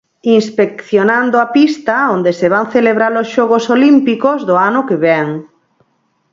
Inspeccionando a pista onde se van celebrar os xogos olímpicos do ano que vén.